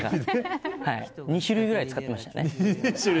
２種類ぐらい使っていましたね。